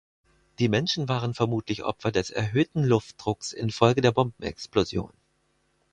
Die Menschen waren vermutlich Opfer des erhöhten Luftdrucks infolge der Bombenexplosion.